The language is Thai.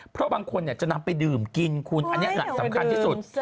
เพราะบางคนจะนำไปดื่มกินคุณอันนี้สำคัญที่สุด